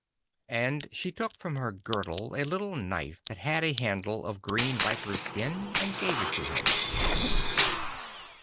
And she took from her girdle a little knife that had a handle of green viper's skin, and gave it to him.